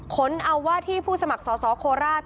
ขนเอาว่าที่พูดสมัครสอบสองขอราช